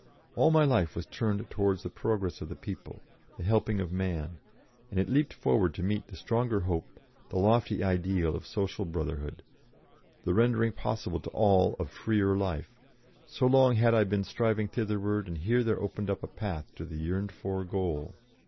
All my life was turned towards the progress of the people, the helping of man, and it leaped forward to meet the stronger hope, the lofty ideal of social brotherhood, the rendering possible to all of freer life; so long had I been striving thitherward, and here there opened up a path to the yearned for goal!